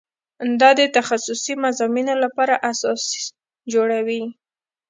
دا د تخصصي مضامینو لپاره اساس جوړوي.